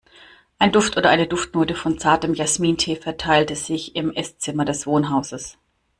Ein Duft oder eine Duftnote von zartem Jasmintee verteilte sich im Esszimmer des Wohnhauses.